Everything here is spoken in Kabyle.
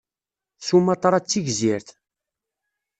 Sumatra d tigzirt.